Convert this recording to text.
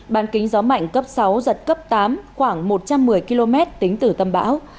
ban kính gió mạnh cấp sáu giật cấp tám khoảng một trăm một mươi km tính từ tâm bão